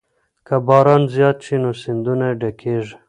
که باران زیات شي نو سیندونه ډکېږي.